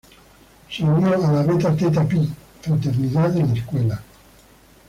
Se unió a la Beta Theta Pi fraternidad en la escuela.